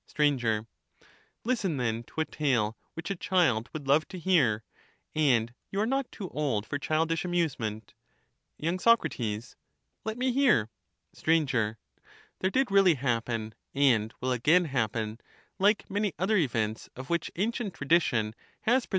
Sir, Listen, then, to a tale which a child would love to hear; and you are not too old for childish amusement. y. Soc. Let me hear. Sir. There did really happen, and will again happen, like many other events of which ancient tradition has preserved * Cp.